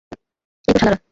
এই তো শালারা!